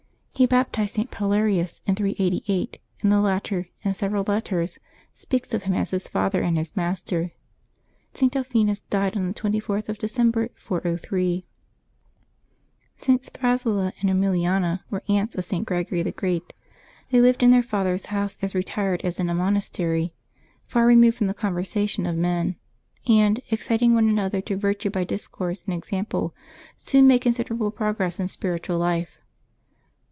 He baptized St. Paulerius in 388, and the latter, in several letters, speaks of him as his father and his master. St. Delphinus died on the 34th of December, 403. Sts. Thrasilla and Emiliaxa were aunts of St. Greg ory the Great. They lived in their father's house as retired as in a monastery, far removed from the conversation of men; and, exciting one another to virtue by discourse and example, soon made considerable progress in spiritual life.